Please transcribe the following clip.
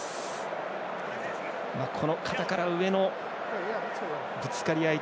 肩から上のぶつかり合い